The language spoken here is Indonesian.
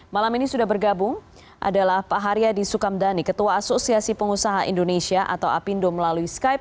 malam ini sudah bergabung adalah pak haryadi sukamdhani ketua asosiasi pengusaha indonesia atau apindo melalui skype